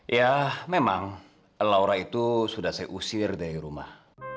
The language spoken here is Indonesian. ya memang laura itu sudah saya usir dari rumah